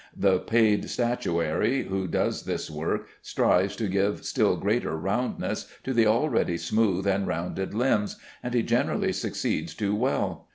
The paid statuary who does this work strives to give still greater roundness to the already smooth and rounded limbs, and he generally succeeds too well.